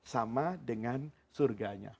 sama dengan surganya